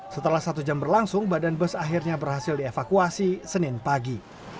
setelah satu jam berlangsung badan bus akhirnya berhasil dievakuasi senin pagi